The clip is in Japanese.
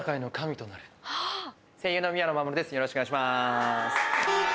よろしくお願いします。